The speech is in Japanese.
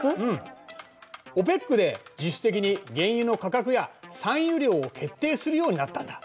ＯＰＥＣで実質的に原油の価格や産油量を決定するようになったんだ。